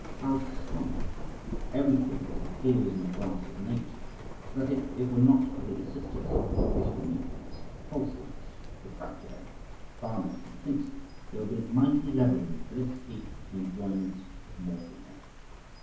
How shrunk is everything as it appears in the glass of Nature, so that if it were not for the assistance of artificial mediums, false lights, refracted angles, varnish, and tinsel, there would be a mighty level in the felicity and enjoyments of mortal men.